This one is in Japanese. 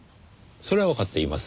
それはわかっています。